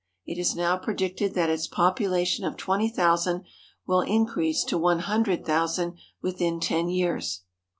It is now pre dicted that its population of twenty thousand will in crease to one hundred thousand within ten years.